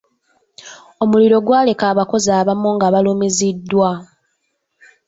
Omuliro gwaleka abakozi abamu nga balumiziddwa.